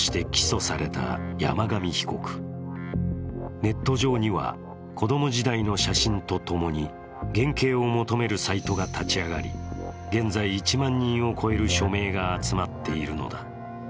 ネット上には、子供時代の写真とともに減刑を求めるサイトが立ち上がり、現在１万人を超える署名が集まっているのだ。